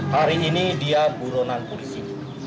hari ini dia buronan polisi